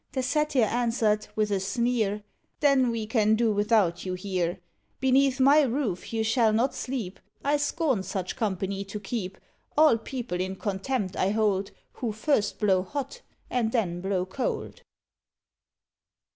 The Satyr answered, with a sneer, "Then, we can do without you here. "Beneath my roof you shall not sleep; I scorn such company to keep. All people in contempt I hold, Who first blow hot, and then blow cold!"